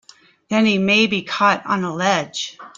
Then he may be caught on a ledge!